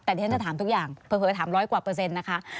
แต่ที่ฉันจะถามทุกอย่างเผลอถามร้อยกว่าเปอร์เซ็นต์นะคะ